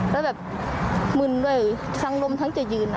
แล้วแบบมึนด้วยทั้งลมทั้งจะยืน